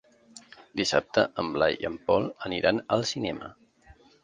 Dissabte en Blai i en Pol aniran al cinema.